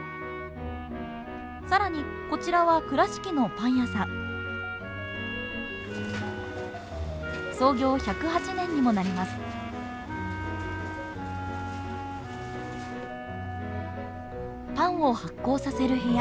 更にこちらは倉敷のパン屋さんパンを発酵させる部屋。